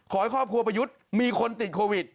ขอให้ครอบครัวประยุทธ์มีคนติดโควิด